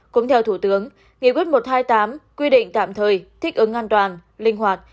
cũng theo thủ tướng nghị quyết một trăm hai mươi tám quy định tạm thời thích ứng an toàn linh hoạt